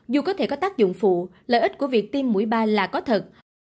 dù có thể có tác dụng phụ lợi ích của việc tiêm mũi ba là có thật